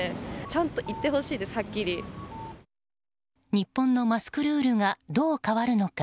日本のマスクルールがどう変わるのか。